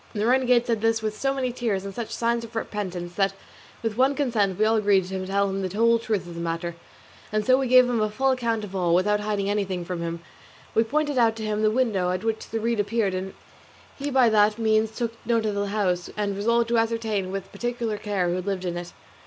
The renegade said this with so many tears and such signs of repentance, that with one consent we all agreed to tell him the whole truth of the matter, and so we gave him a full account of all, without hiding anything from him. We pointed out to him the window at which the reed appeared, and he by that means took note of the house, and resolved to ascertain with particular care who lived in it.